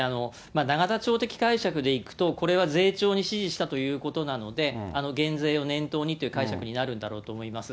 永田町的解釈でいくと、これは税調に指示したということなので、減税を念頭にという解釈になるんだろうと思います。